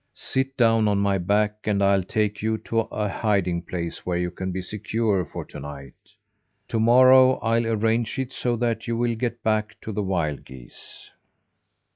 Sit down on my back, and I'll take you to a hiding place where you can be secure for to night. To morrow, I'll arrange it so that you will get back to the wild geese."